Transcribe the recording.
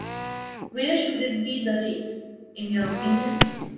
Where should it be the rate, in your opinion?